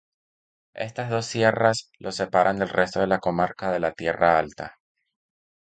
Estas dos sierras lo separan del resto de la comarca de la Tierra Alta.